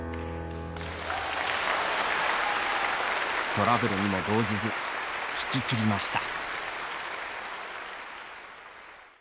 トラブルにも動じず弾ききりました。